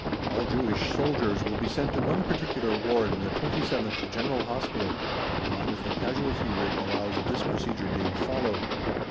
All Jewish soldiers will be sent to one particular Ward in the 27th General Hospital, as long as the casualty rate allows of this procedure being followed.